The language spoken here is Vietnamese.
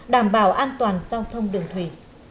đảm bảo an toàn giao thông đường thủy